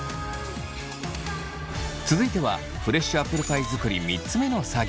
続いてはフレッシュアップルパイ作り３つ目の作業。